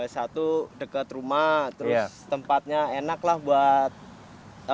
satu dekat rumah terus tempatnya enak lah buat